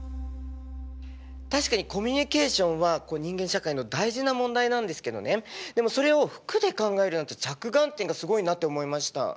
確かにコミュニケーションは人間社会の大事な問題なんですけどねでもそれを服で考えるなんて着眼点がすごいなって思いました。